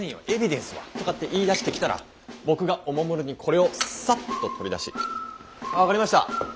エビデンスは？」とかって言いだしてきたら僕がおもむろにこれをサッと取り出し「分かりました！